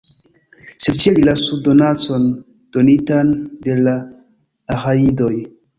Sed ĉe li lasu donacon, donitan de la Aĥajidoj.